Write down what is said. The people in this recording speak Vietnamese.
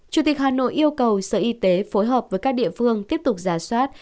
chủ tịch hà nội yêu cầu sở y tế phối hợp với các địa phương tiếp tục giả soát